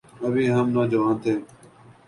ابھی ہم نوجوان تھے۔